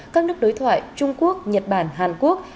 các nước đối thoại trung quốc nhật bản hàn quốc